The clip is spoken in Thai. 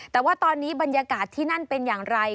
แต่ว่าตอนนี้บรรยากาศที่นั่นเป็นอย่างไร